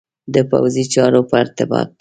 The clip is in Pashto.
د پوځي چارو په ارتباط.